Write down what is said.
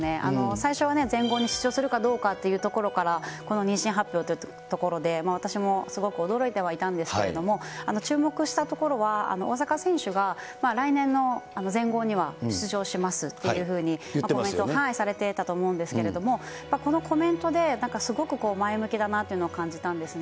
最初はね、全豪に出場するかどうかというところから、この妊娠発表というところで、私もすごく驚いてはいたんですけれども、注目したところは、大坂選手が、来年の全豪には出場しますっていうふうにコメントされていたと思うんですけれども、このコメントでなんかすごく前向きだなというのを感じたんですね。